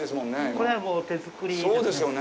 これは手作りですね。